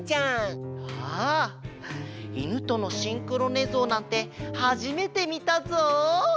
わあいぬとのシンクロねぞうなんてはじめてみたぞ！